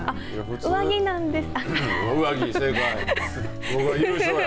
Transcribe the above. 上着なんです。